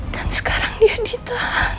dan sekarang dia ditahan